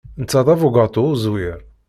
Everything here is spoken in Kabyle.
Netta d abugaṭu uẓwir.